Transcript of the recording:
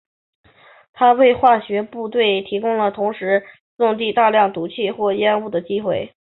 这为化学部队提供了同时送递大量毒气或烟雾的机会。